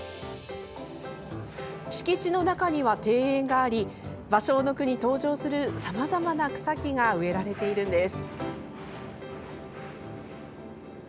敷地の中には庭園があり芭蕉の句に登場するさまざまな草木が植えられているんです。